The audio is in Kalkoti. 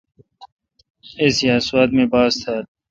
ایس یا سوات می باس تھال۔